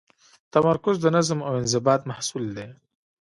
تمرکز د نظم او انضباط محصول دی.